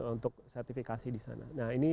untuk sertifikasi disana